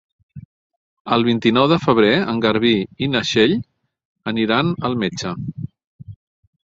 El vint-i-nou de febrer en Garbí i na Txell aniran al metge.